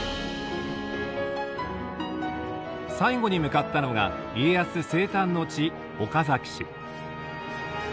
最後に向かったのが家康生誕の地岡崎市。